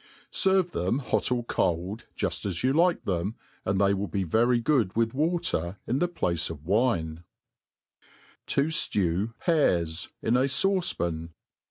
Serve them hot or cold, jufl as you like them, and they will be very good with water in the place of wine« To Jlew Pears in a Sauce pan.